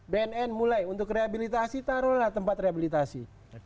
bnn mulai untuk rehabilitasi taro lah tempat rehabilitasi